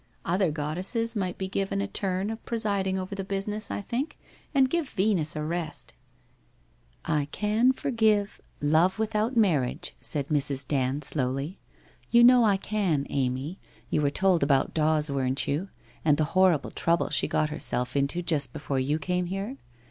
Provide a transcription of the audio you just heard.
Other goddesses might be given a turn of pre siding over the business, I think, and give Venus a rest !'' I can forgive Love without Marriage/ said Mrs. Dand slowly. ' You know I can, Amy, you were told about Dawes, weren't you, and the horrid trouble she got herself into just before you came here?